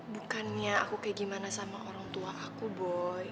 bukannya aku kayak gimana sama orang tua aku boy